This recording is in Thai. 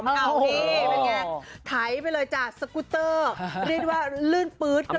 เป็นไงไถไปเลยจ้ะสกุเตอร์เรียกว่าลื่นปื๊ดก็เลยนะ